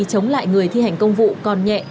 chống lại người thi hành công vụ còn nhẹ